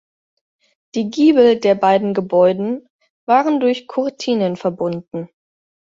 Die Giebel der beiden Gebäuden waren durch Kurtinen verbunden.